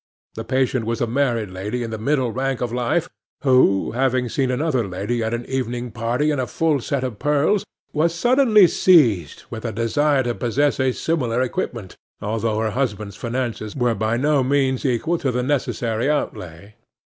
The patient was a married lady in the middle rank of life, who, having seen another lady at an evening party in a full suit of pearls, was suddenly seized with a desire to possess a similar equipment, although her husband's finances were by no means equal to the necessary outlay.